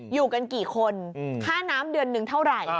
อยู่กันกี่คนค่าน้ำเดือนหนึ่งเท่าไหร่